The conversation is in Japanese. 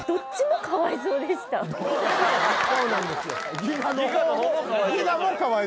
そうなんですよ。